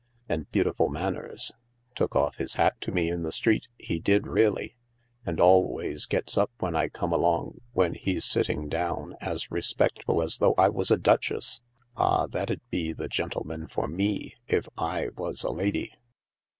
And beautiful manners. Took off his hat to me in the street, he did really; and always gets up when I come along when he's sitting down, as respect ful as though I was a duchess. Ah, that 'ud be the gentle man for me, if / was a lady."